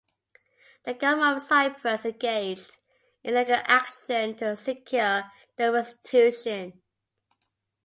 The Government of Cyprus engaged in legal action to secure their restitution.